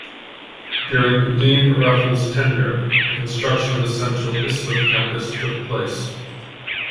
During Dean Raful's tenure, the construction of the Central Islip campus took place.